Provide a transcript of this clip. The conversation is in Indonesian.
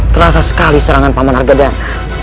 terasa sekali serangan paman harga ban